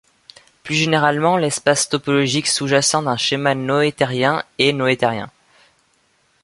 Plus généralement, l'espace topologique sous-jacent d'un schéma noethérien est noethérien.